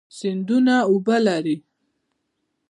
سیندونه اوبه لري.